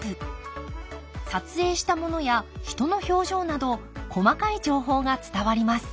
撮影したものや人の表情など細かい情報が伝わります。